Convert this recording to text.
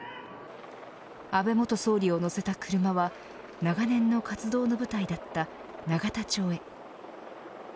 安倍元総理を乗せた車は長年の活動の舞台だった永田町へ。